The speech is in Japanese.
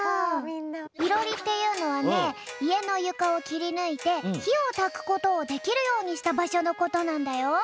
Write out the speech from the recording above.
いろりっていうのはねいえのゆかをきりぬいてひをたくことをできるようにしたばしょのことなんだよ。